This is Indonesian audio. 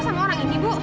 ia dia suami saya pak